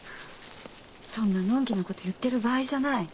そんなのんきなこと言ってる場合じゃない。